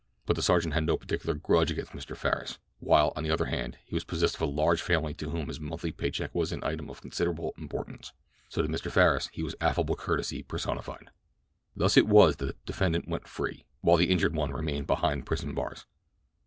But the sergeant had no particular grudge against Mr. Farris, while, on the other hand, he was possessed of a large family to whom his monthly pay check was an item of considerable importance. So to Mr. Farris, he was affable courtesy personified. Thus it was that the defendant went free, while the injured one remained behind prison bars.